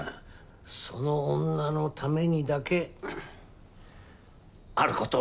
その女のためにだけある事をするんだよ。